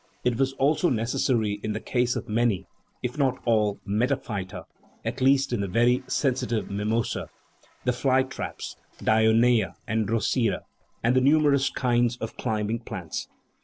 it was also necessary in the case of many (if not all) metaphyta, at least in the very sensitive mimosa, the " fly traps " (dionaea and drosera), and the numerous kinds of climbing plants.